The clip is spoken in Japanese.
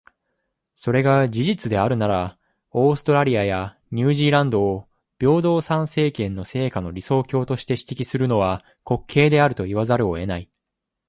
それが事実であるなら、オーストラリアやニュージーランドを平等参政権の成果の理想郷として指摘するのは、滑稽であると言わざるを得ない。